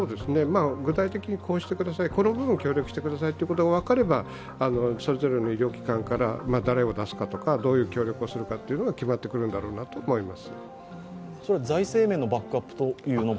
具体的にこうしてください、この部分を協力してくださいというのが分かれば誰を出すかとか、どういう協力をするかというのが決まってくるんだと思います。